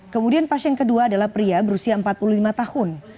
kemudian pasien kedua adalah pria berusia empat puluh lima tahun